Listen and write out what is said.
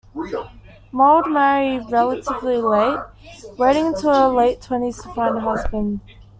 Maud married relatively late, waiting until her late twenties to find a husband.